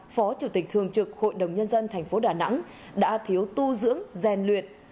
phó chủ tịch thường trực hội đồng nhân dân tp đà nẵng đã thiếu tu dưỡng rèn luyệt